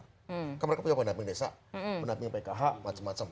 karena mereka punya penamping desa penamping pkh macem macem